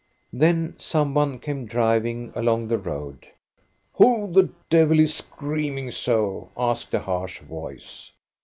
Then some one came driving along the road. " Who the devil is screaming so ?" asked a harsh voice.